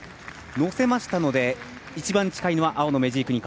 乗せたので、一番近いのは青のメジーク。